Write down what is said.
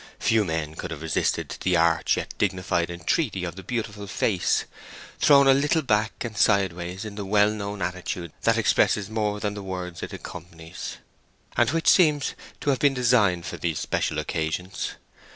Few men could have resisted the arch yet dignified entreaty of the beautiful face, thrown a little back and sideways in the well known attitude that expresses more than the words it accompanies, and which seems to have been designed for these special occasions.